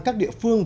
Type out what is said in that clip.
các địa phương